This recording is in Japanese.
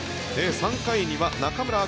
３回には中村晃。